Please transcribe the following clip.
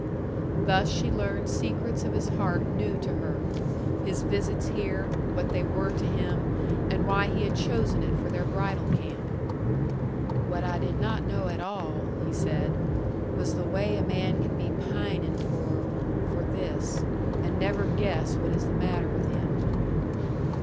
Thus she learned secrets of his heart new to her: his visits here, what they were to him, and why he had chosen it for their bridal camp. "What I did not know at all," he said, "was the way a man can be pining for for this and never guess what is the matter with him."